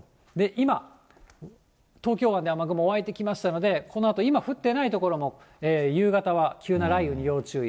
今、東京湾で雨雲湧いてきましたので、このあと、今降ってない所でも夕方は急な雷雨に要注意。